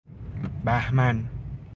بَهمن